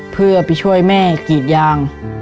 เพื่อไปช่วยแม่กรีดยาง